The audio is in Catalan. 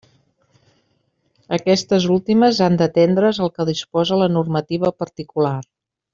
Aquestes últimes han d'atindre's al que disposa la normativa particular.